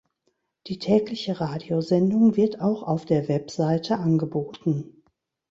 Die tägliche Radiosendung wird auch auf der Webseite angeboten.